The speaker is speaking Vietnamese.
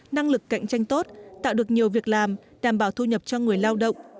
năng lực cạnh tranh tốt tạo được nhiều việc làm đảm bảo thu nhập cho người lao động